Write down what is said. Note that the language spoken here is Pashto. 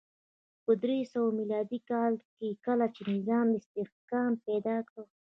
په درې سوه میلادي کال کې کله چې نظام استحکام پیدا کړ